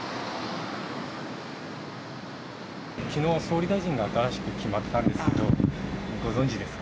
きのうは総理大臣が新しく決まったんですけどご存じですか。